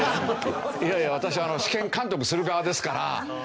いやいや私は試験監督する側ですから。